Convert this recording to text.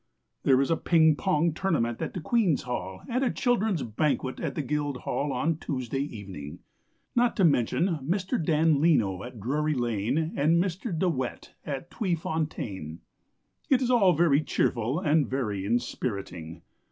There is a ping pong tournament at the Queen's Hall And a children's banquet At the Guildhall on Tuesday evening; Not to mention Mr. Dan Leno at Drury Lane And Mr. De Wet at the Tweefontein. It is all very cheerful And very inspiriting.